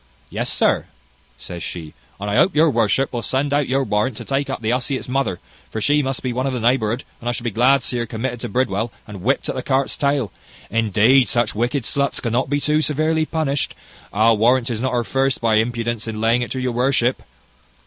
"Yes, sir," says she; "and I hope your worship will send out your warrant to take up the hussy its mother, for she must be one of the neighbourhood; and I should be glad to see her committed to Bridewell, and whipt at the cart's tail. Indeed, such wicked sluts cannot be too severely punished. I'll warrant 'tis not her first, by her impudence in laying it to your worship."